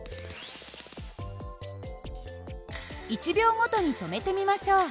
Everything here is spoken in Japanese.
１秒ごとに止めてみましょう。